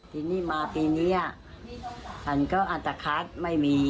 ทีนี้มาปีนี้มันก็อันตคาร์ดไม่มี